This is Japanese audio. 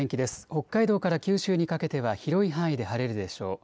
北海道から九州にかけては広い範囲で晴れるでしょう。